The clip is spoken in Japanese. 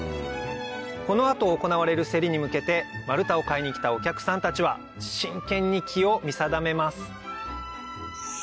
この後行われるセリに向けて丸太を買いにきたお客さんたちは真剣に木を見定めます